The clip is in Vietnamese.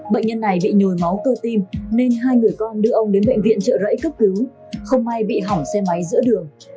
bệnh nhân này bị nhồi máu cơ tim nên hai người con đưa ông đến bệnh viện trợ rẫy cấp cứu không may bị hỏng xe máy giữa đường